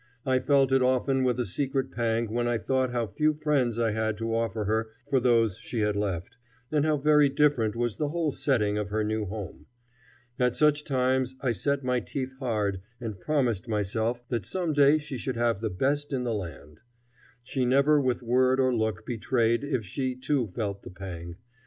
I felt it often with a secret pang when I thought how few friends I had to offer her for those she had left, and how very different was the whole setting of her new home. At such times I set my teeth hard and promised myself that some day she should have the best in the land. She never with word or look betrayed if she, too, felt the pang.